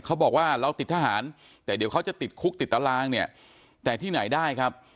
เขาบอกว่าเราติดทหารแต่เดี๋ยวเขาจะติดคุกติดตารางเนี่ยแต่ที่ไหนได้ครับ